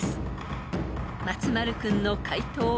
［松丸君の解答は？］